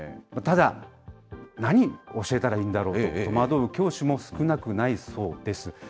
ただ、何を教えたらいいんだろうと、戸惑う教師も少なくないそうです。